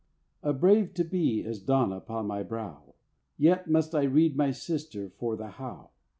A brave To be is dawn upon my brow: Yet must I read my sister for the How.